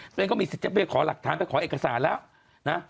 ตัวเองก็มีสิทธิ์จะไปขอหลักฐานไปขอเอกสารแล้วนะ